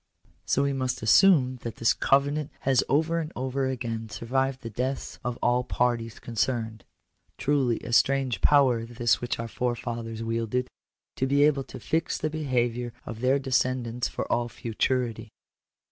So we must assume that this covenant has over and over again survived the deaths of all parties concerned! Truly a strange power this which our forefathers wielded — to be able to fix the behaviour of their descendants for all futurity!